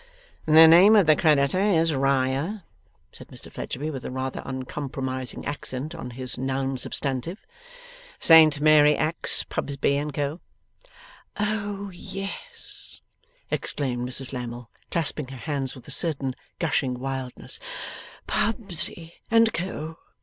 'The name of the Creditor is Riah,' said Mr Fledgeby, with a rather uncompromising accent on his noun substantive. 'Saint Mary Axe. Pubsey and Co.' 'Oh yes!' exclaimed Mrs Lammle, clasping her hands with a certain gushing wildness. 'Pubsey and Co.!